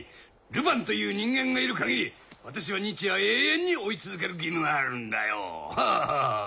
ルパンという人間がいる限り私は日夜永遠に追い続ける義務があるんだよハハ！